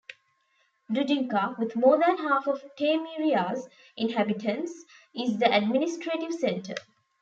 Dudinka, with more than half of Taymyria's inhabitants, is the administrative center.